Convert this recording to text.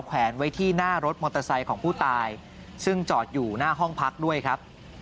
แวนไว้ที่หน้ารถมอเตอร์ไซค์ของผู้ตายซึ่งจอดอยู่หน้าห้องพักด้วยครับ